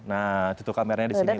nah tutup kameranya di sini